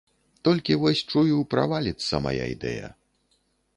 Толькі вось, чую, праваліцца мая ідэя.